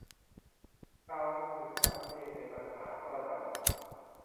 กล่าวถึงจำเจเป็นปัญหาประจำวัน